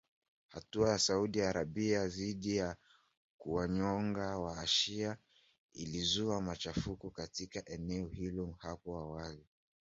Hatua ya Saudi Arabia dhidi ya kuwanyonga wa-shia ilizua machafuko katika eneo hilo hapo awali